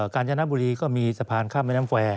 การจนบุรีก็มีสะพานข้ามแม่น้ำแควร์